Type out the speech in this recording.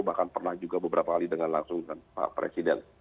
bahkan pernah juga beberapa kali dengan langsung dengan pak presiden